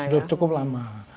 sudah cukup lama